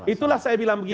itulah saya bilang begini